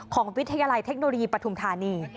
ของวิทยาลัยเทคโนรีประธุมธานี